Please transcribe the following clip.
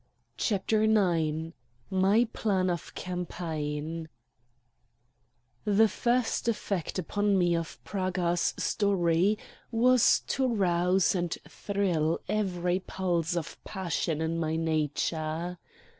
CHAPTER IX MY PLAN OF CAMPAIGN The first effect upon me of Praga's story was to rouse and thrill every pulse of passion in my nature.